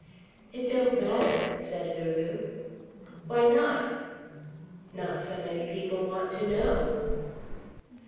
"It don't matter," said Lulu. "Why not?" "Not so many people want to know."